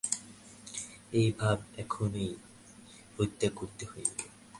এই ভাব এখনই পরিত্যাগ করিতে হইবে।